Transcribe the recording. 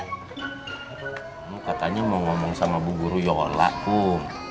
kamu katanya mau ngomong sama bu guru yola kum